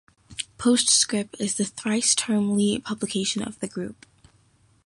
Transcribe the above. "PostScript" is the thrice-termly publication of the Group.